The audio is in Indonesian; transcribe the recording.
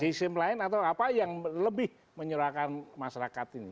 sistem lain atau apa yang lebih menyurahkan masyarakat ini